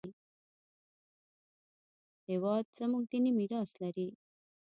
هېواد زموږ دیني میراث لري